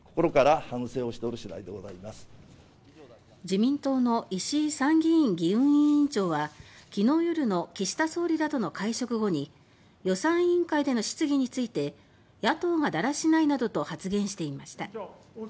自民党の石井参院議運委員長は昨日夜の岸田総理らとの会食後に予算委員会での質疑について「野党がだらしない」などと発言していました。